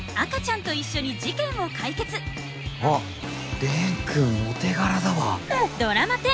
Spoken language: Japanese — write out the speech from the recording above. あっ蓮くんお手柄だわ。